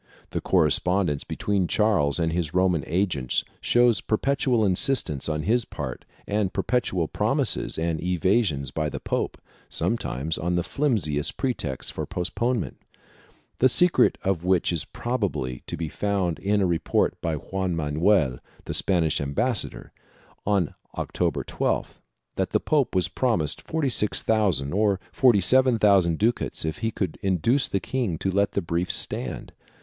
The correspondence between Charles and his Roman agents shows perpetual insistance on his part and perpetual promises and evasions by the pope, sometimes on the flimsiest pretexts for postponement, the secret of which is prob ably to be found in a report by Juan Manuel, the Spanish ambas sador, on October 12th, that the pope was promised 46,000 or 47,000 ducats if he could induce the king to let the briefs stand.